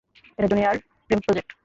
এটা junior Prem project.